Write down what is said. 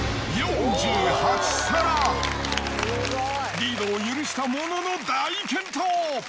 リードを許したものの、大健闘。